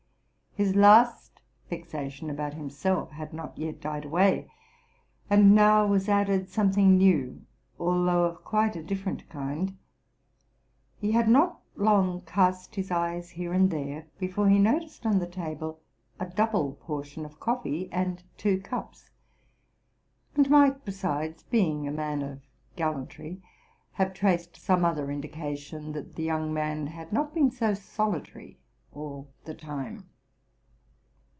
His last vexation about himself had not yet died away; and now was added something new, although of quite a different kind. He had not long cast his eyes here and there before he noticed on the table a double portion of coffee, and two cups, and might besides, being a man of gallantry, have traced some other indication that the young man had not been so solitary all the time.